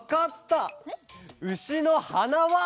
うしのはなわ！